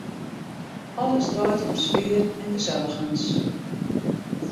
Alles draait om sfear en geselligens.